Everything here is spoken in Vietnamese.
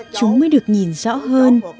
chúng mới được nhìn rõ hơn